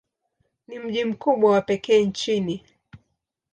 Ni mji mkubwa wa pekee nchini.